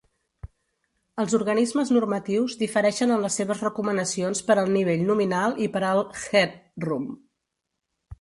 Els organismes normatius difereixen en les seves recomanacions per al nivell nominal i per al headroom.